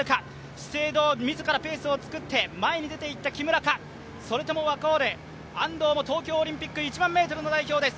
資生堂、自らペースをつくって前に出ていった木村かそれともワコール、安藤も東京オリンピック１００００ｍの代表です。